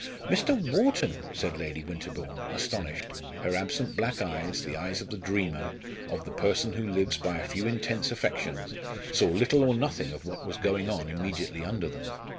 "Mr. Wharton!" said Lady Winterbourne, astonished. Her absent black eyes, the eyes of the dreamer, of the person who lives by a few intense affections, saw little or nothing of what was going on immediately under them.